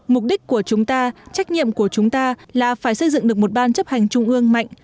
mục đích của chúng ta trách nhiệm của chúng ta là phải xây dựng được một ban chấp hành trung ương mạnh